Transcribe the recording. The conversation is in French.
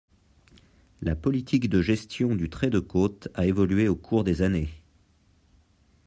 La politique de gestion du trait de côte a évolué au cours des années.